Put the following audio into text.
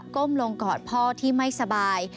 ้มลงกอดพ่อที่ไม่สบาย